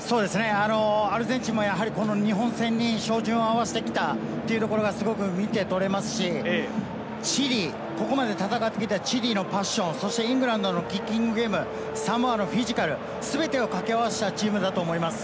アルゼンチンもこの日本戦に照準を合わせてきたというところが、すごく見て取れますし、チリ、ここまで戦ってきたチリのパッション、イングランドのキッキング、サモアのフィジカル、全てを掛け合わせたチームだと思います。